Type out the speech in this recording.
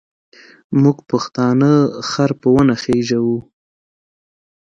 موږ پښتانه خر په ونه خېزوو.